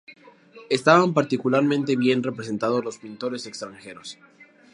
Estaban particularmente bien representados los pintores extranjeros.